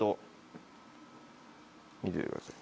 見ててください。